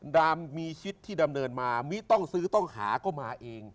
ดามมีชิดที่ดำเนินมามิต้องซื้อต้องหาก็มาเอง